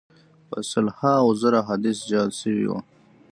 په سل هاوو زره احادیث جعل سوي وه.